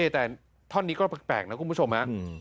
แต่ท่อนนี้ก็แปลกนะคุณผู้ชมนะ